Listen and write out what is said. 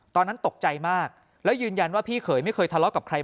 ตอนนั้นตกใจมากแล้วยืนยันว่าพี่เขยไม่เคยทะเลาะกับใคร